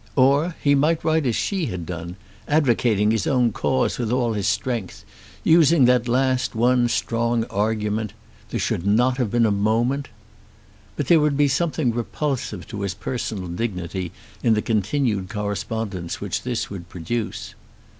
Or he might write as she had done, advocating his own cause with all his strength, using that last one strong argument, "there should not have been a moment." But there would be something repulsive to his personal dignity in the continued correspondence which this would produce.